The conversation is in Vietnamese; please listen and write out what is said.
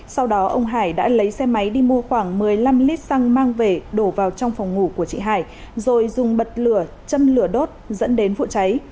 sau đó ông hải đã lấy xe máy đi mua khoảng một mươi năm lít xăng mang về đổ vào trong phòng ngủ của chị hải rồi dùng bật lửa châm lửa đốt dẫn đến vụ cháy